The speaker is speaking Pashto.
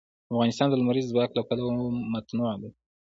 افغانستان د لمریز ځواک له پلوه متنوع دی.